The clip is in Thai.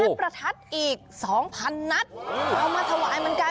และประทัดอีกสองพันนัดเอามาถวายเหมือนกัน